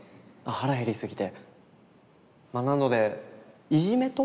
腹減りすぎて。